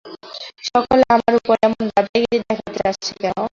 সকলে আমার ওপর এমন দাদাগিরি দেখাতে চাচ্ছে কেন?